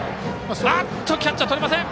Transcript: キャッチャーとれません。